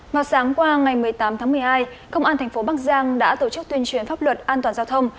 màu sáng qua ngày một mươi tám tháng một mươi hai công an tp bắc giang đã tổ chức tuyên truyền pháp luật an toàn giao thông